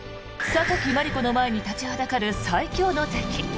榊マリコの前に立ちはだかる最強の敵。